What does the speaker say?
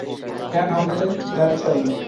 Fan হাউজে যাই চলো।